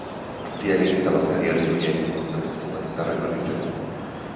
Ontziak egin eta bazkari herrikoia egingo dute portuan indarrak berritzeko.